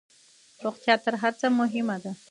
روغتيا تر هرڅه مهمه ده